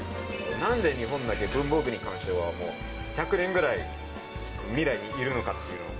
なんで日本だけ文房具に関しては、１００年くらい未来にいるのかっていうのを。